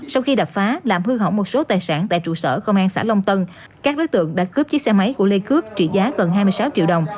sau khi đập phá làm hư hỏng một số tài sản tại trụ sở công an xã long tân các đối tượng đã cướp chiếc xe máy của lê cướp trị giá gần hai mươi sáu triệu đồng